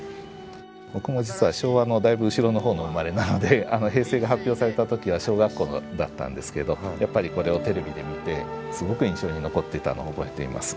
僕も実は昭和のだいぶ後ろのほうの生まれなので平成が発表された時は小学校だったんですけどやっぱりこれをテレビで見てすごく印象に残っていたのを覚えています。